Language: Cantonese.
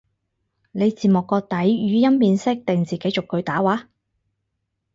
你字幕個底語音辨識定自己逐句打話？